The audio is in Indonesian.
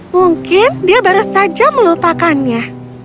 mungkin dia baru saja melupakannya